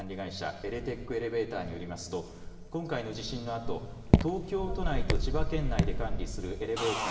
東京、墨田区によるエレベーターの管理会社によりますと今回の地震のあと東京都内と千葉県内で管理するエレベーター